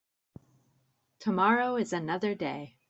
Tomorrow is another day.